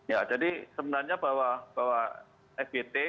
ya jadi sebenarnya bahwa fbt